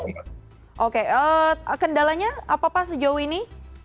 oke kendalanya apa pak sejauh ini